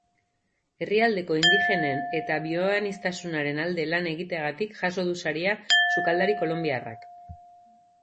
Herrialdeko indigenen eta bioaniztasunaren alde lan egiteagatik jaso du saria sukaldari kolonbiarrak.